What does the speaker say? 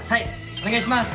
お願いします！